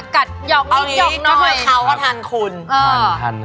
กระยองนิ่งยกนายไม่ว่าเพราะคนนี้เขาก็ทันคุณ